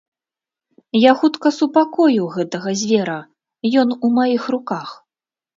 Я хутка супакою гэтага звера, ён у маіх руках.